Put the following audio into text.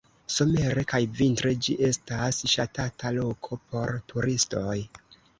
Somere kaj vintre ĝi estas ŝatata loko por turistoj.